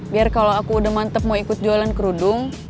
biar kalau aku udah mantep mau ikut jualan kerudung